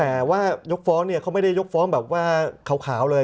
แต่ว่ายกฟ้องเนี่ยเขาไม่ได้ยกฟ้องแบบว่าขาวเลย